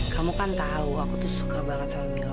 kamu kan tahu aku tuh suka banget sama gila